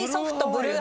ブルー